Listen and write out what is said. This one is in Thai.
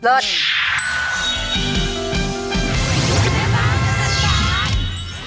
โปรดติดตามตอนต่อไป